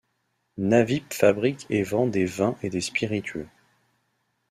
Navip fabrique et vend des vins et des spiritueux.